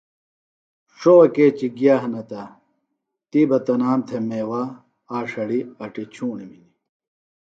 ݜوہ کیچیۡ گِیہ ہِنہ تہ تی بہ تنام تھے میوہ، آڇھڑیۡ اٹی ڇھوݨم ہِنیۡ